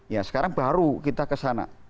ya sekarang baru kita ke sana